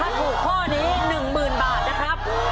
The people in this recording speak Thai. ถ้าถูกข้อนี้๑๐๐๐บาทนะครับ